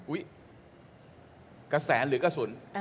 กระแสหรือกระสุน